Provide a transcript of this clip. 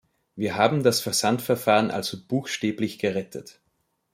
Wir haben das Versandverfahren also buchstäblich gerettet.